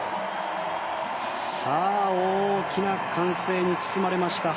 大きな歓声に包まれました。